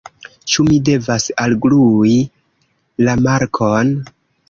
Ĉu mi devas alglui la markon?